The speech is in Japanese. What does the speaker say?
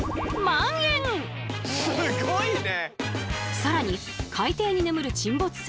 更に海底に眠る沈没船